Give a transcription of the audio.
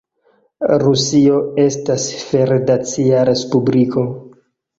Rusio estas federacia respubliko.